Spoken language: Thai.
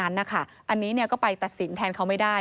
อันนี้ก็ไปตัดสินแทนเขาไม่ได้